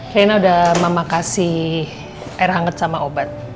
rina udah mama kasih air hangat sama obat